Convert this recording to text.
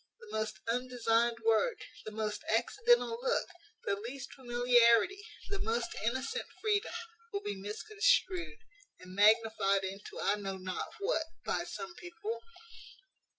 The most undesigned word, the most accidental look, the least familiarity, the most innocent freedom, will be misconstrued, and magnified into I know not what, by some people.